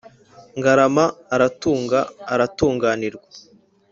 Ngarama aratunga, aratunganirwa.